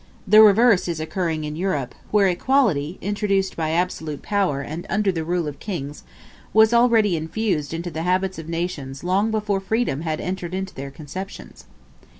The reverse is occurring in Europe, where equality, introduced by absolute power and under the rule of kings, was already infused into the habits of nations long before freedom had entered into their conceptions.